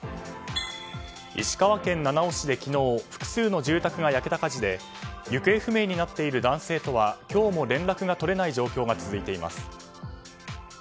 石川県七尾市で昨日複数の住宅が焼けた火事で行方不明になっている男性とは今日も連絡が取れない状況が続いています。